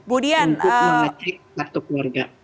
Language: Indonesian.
untuk mengecek kartu keluarga